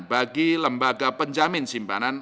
bagi lembaga penjamin simpanan